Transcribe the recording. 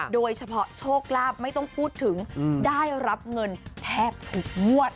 โดยเฉพาะโชคลาภไม่ต้องพูดถึงได้รับเงินแทบทุกงวด